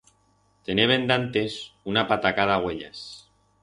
Teneben d'antes una patacada uellas.